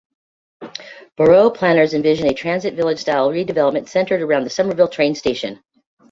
Borough planners envision a transit village style redevelopment centered around the Somerville train station.